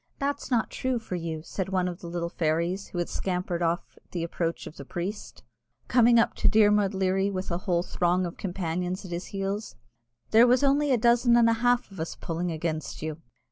"That's not true for you," said one of the little fairies who had scampered off at the approach of the priest, coming up to Dermod Leary with a whole throng of companions at his heels; "there was only a dozen and a half of us pulling against you."